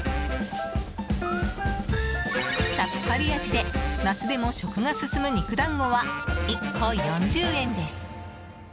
さっぱり味で夏でも食が進む肉団子は１個４０円です。